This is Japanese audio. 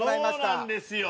そうなんですよ！